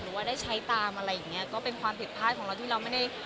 หรือว่าได้ใช้ตามอะไรอย่างเงี้ยก็เป็นความผิดพลาดของเราที่เราไม่ได้